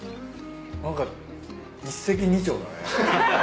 何か一石二鳥だね。